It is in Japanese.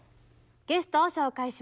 ゲストを紹介します。